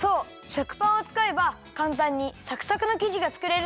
食パンをつかえばかんたんにサクサクのきじがつくれるんだよ！